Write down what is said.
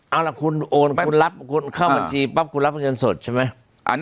เอาล่ะคุณโอนคุณรับคนเข้าบัญชีปั๊บคุณรับเงินสดใช่ไหม